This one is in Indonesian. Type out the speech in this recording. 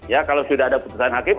ya kalau sudah ada putusan hakim